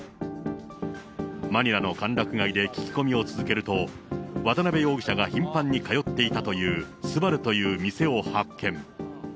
マニラの歓楽街で聞き込みを続けると、渡辺容疑者が頻繁に通っていたという、すばるという店を発見。